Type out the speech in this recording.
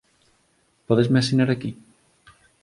Pódesme asinar aquí?